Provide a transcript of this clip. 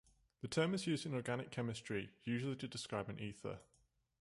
The term is used in organic chemistry usually to describe an ether.